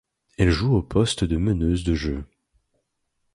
Elle joue au poste de meneuse de jeu.